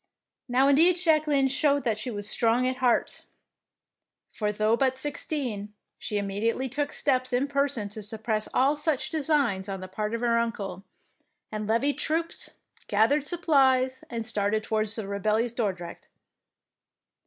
Now indeed Jacqueline showed that she was strong at heart, for though but sixteen, she immediately took steps in person to suppress all such designs on the part of her uncle, and levied troops, gathered supplies, and started towards rebellious Dordrecht.